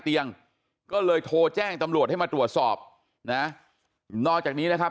เตียงก็เลยโทรแจ้งตำรวจให้มาตรวจสอบนะนอกจากนี้นะครับ